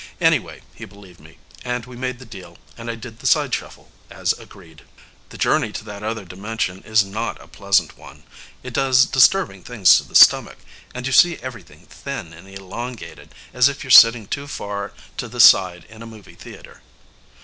Anyway, he believed me, and we made the deal and I did the side shuffle, as agreed. The journey to that other dimension is not a pleasant one. It does disturbing things to the stomach, and you see everything thin and elongated, as if you're sitting too far to the side in a movie theater.